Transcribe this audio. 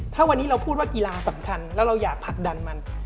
ถ้าวันนี้เราพูดว่ากีฬาสำคัญแล้วเราอยากผลักดันมัน